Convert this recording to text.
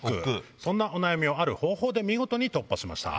そんなお悩みをある方法で見事に突破しました。